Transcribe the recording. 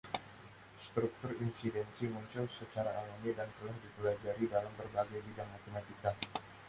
Struktur insidensi muncul secara alami dan telah dipelajari dalam berbagai bidang matematika.